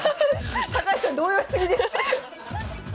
高橋さん動揺し過ぎです。